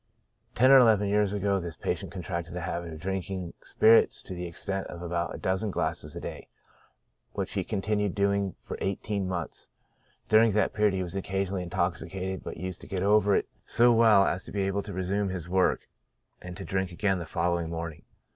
Ten or eleven years ago this patient contracted the habit of drinking spirits to the extent of about a dozen glasses a day, which he continued doing for eighteen months. TREATMENT. IO7 During that period he was occasionally intoxicated, but used to get over it so well as to be able to resume his work, and to drink again the following morning.